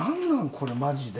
これマジで。